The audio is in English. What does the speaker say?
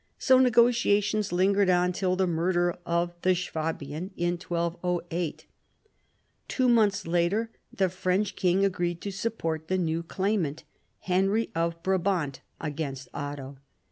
So negotiations lingered on till the murder of the Swabian in 1208. Two months later the French king agreed to support the new claimant, Henry of Brabant, against Otto.